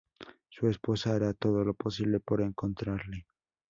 Su esposa hará todo lo posible por encontrarle.